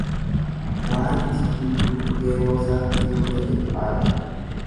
Waanti hunduu yeroosaatti yoo ta'e bu'aa qaba.